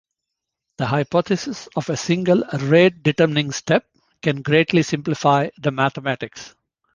The hypothesis of a single rate-determining step can greatly simplify the mathematics.